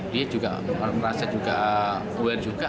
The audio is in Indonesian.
dia juga merasa juga aware juga